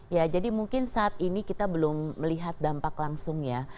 ya jadi mungkin saat ini kita belum melihat dampak langsung ya